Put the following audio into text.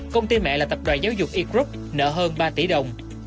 công ty mẹ là tập đoàn giáo dục e group nợ hơn ba tỷ đồng